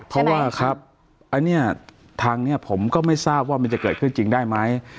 เพราะว่าครับอันนี้ทางนี้ผมก็ไม่ทราบว่ามันจะเกิดขึ้นจริงได้ไหม